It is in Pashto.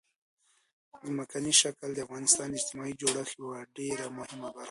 ځمکنی شکل د افغانستان د اجتماعي جوړښت یوه ډېره مهمه برخه ده.